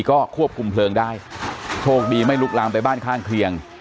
ก็ควบคุมเพลิงได้โชคดีไม่ลุกลามไปบ้านข้างเคียง